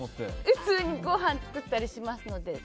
普通にごはん作ったりしますので。